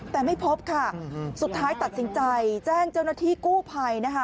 แต่ไม่พบค่ะสุดท้ายตัดสินใจแจ้งเจ้าหน้าที่กู้ภัยนะคะ